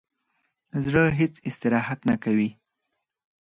زړه هیڅ استراحت نه کوي